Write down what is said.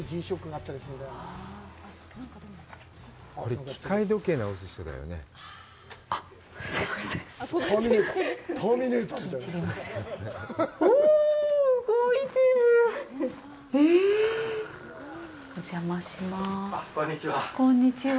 あっ、こんにちは。